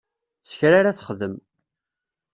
Sekra ara texdem.